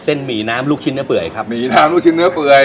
วันนี้อยากแนะนำเสนอเป็น